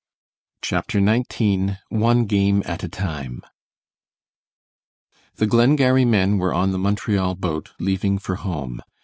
CHAPTER XIX ONE GAME AT A TIME The Glengarry men were on the Montreal boat leaving for home.